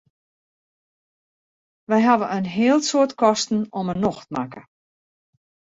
Wy hawwe in heel soad kosten om 'e nocht makke.